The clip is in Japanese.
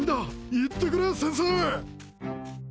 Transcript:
言ってくれ先生！